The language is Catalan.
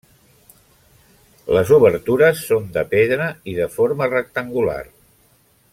Les obertures són de pedra i de forma rectangular.